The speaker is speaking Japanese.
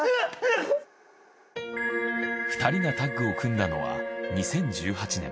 ２人がタッグを組んだのは２０１８年。